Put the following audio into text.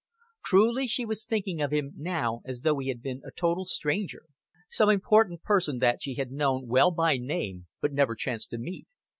Truly she was thinking of him now as though he had been a total stranger, some important person that she had known well by name but never chanced to meet.